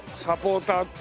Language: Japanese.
サポーター。